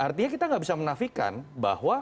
artinya kita nggak bisa menafikan bahwa